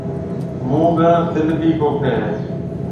مونگ ھان تِل ڀِي پوکيَ ھيََََ